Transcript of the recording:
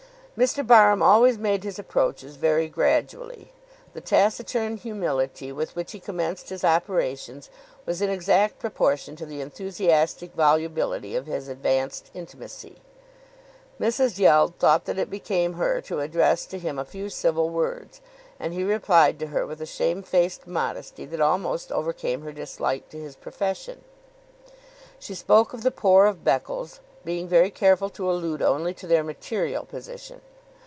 Mr. Barham always made his approaches very gradually. The taciturn humility with which he commenced his operations was in exact proportion to the enthusiastic volubility of his advanced intimacy. Mrs. Yeld thought that it became her to address to him a few civil words, and he replied to her with a shame faced modesty that almost overcame her dislike to his profession. She spoke of the poor of Beccles, being very careful to allude only to their material position.